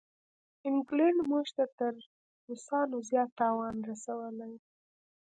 انګلینډ موږ ته تر روسانو زیات تاوان رسولی دی.